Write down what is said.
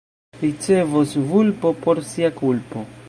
Ricevos vulpo por sia kulpo.